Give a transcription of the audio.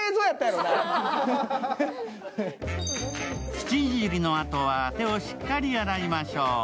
土いじりのあとは、手をしっかり洗いましょう。